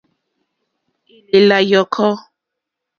Èlèlà yɔ̀kɔ́.